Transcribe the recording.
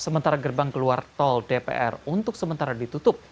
dan gerbang ke luar tol dpr sementara untuk ditutup